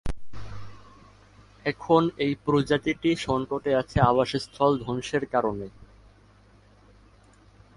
এখন এই প্রজাতিটি সংকটে আছে আবাসস্থল ধ্বংসের কারণে।